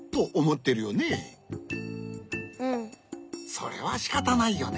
それはしかたないよね。